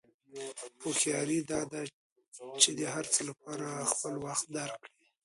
هوښیاري دا ده چې د هر څه لپاره خپل وخت درک کړې.